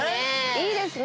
いいですね。